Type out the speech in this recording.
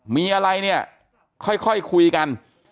มีอะไรเนี่ยค่อยคุยกัน